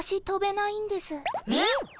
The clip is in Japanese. えっ。